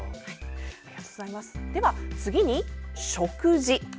では次に食事。